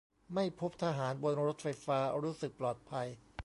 ไม่พบทหารบนรถไฟฟ้า รู้สึกปลอดภัย